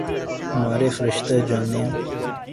ہمارے فرشتے جانیں۔